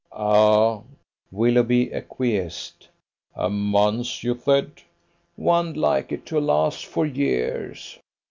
"Ah!" Willoughby acquiesced. "A month, you said?" "One'd like it to last for years."